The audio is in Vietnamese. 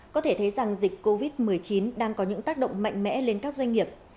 có thể thấy rằng dịch covid một mươi chín đang có những tác động mạnh mẽ lên các doanh nghiệp